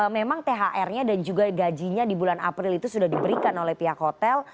memang thr nya dan juga gajinya di bulan april itu sudah diberikan oleh pihak hotel